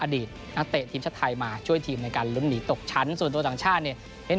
อดีตนักเตะทีมชาติไทยมาช่วยทีมในการลุ้นหนีตกชั้นส่วนตัวต่างชาติเนี่ยเห็น